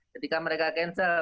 ketika mereka cancel